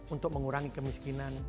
untuk mengurangi kemiskinan